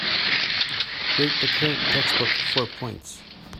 rate the current textbook four points